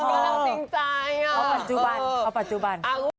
เอาปัจจุบันเอาปัจจุบัน